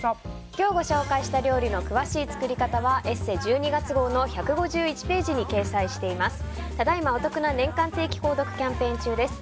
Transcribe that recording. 今日ご紹介した料理の詳しい作り方は「ＥＳＳＥ」１２月号の１５１ページに掲載しています。